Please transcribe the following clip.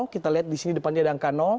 kita lihat di sini depannya ada angka